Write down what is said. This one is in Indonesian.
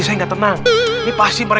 saya bakal belajar bahasa ini dom korez